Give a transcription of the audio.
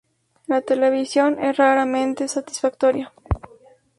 La televisión es raramente satisfactoria.